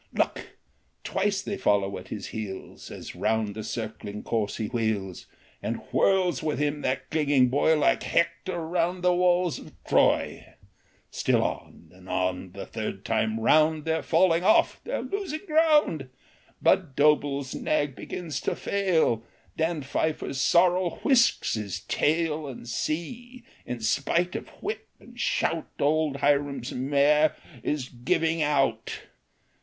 Look ! twice they follow at his heels, As round the circling course he wheels, And whirls with him that clinging boy Like Hector round the walls of Troy ; Still on, and on, the third time round ! They 're tailing off ! they 're losing ground ! V» m ^^'■ 7^ ■^i i^j'^ ' How the Old Horse Won Budd Doble's nag begins to fail ! Dan Pfeiffer's sorrel whisks his tail ! And see ! in spite of whip and shout, Old Hiram's mare is giving out